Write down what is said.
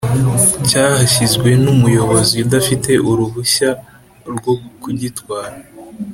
Cyahashyizwe n’umuyobozi udafite uruhushya rwo kugitwara